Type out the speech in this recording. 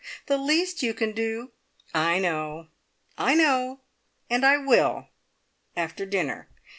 The least you can do " "I know! I know! And I will after dinner.